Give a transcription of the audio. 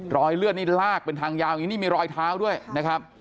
รอยเลือดนี่ลากเป็นทางยาวอย่างนี้นี่มีรอยเท้าด้วยนะครับ